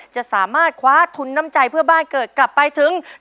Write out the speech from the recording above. จะสามารถคว้าทุนน้ำใจเพื่อบ้านเกิดกลับไปถึง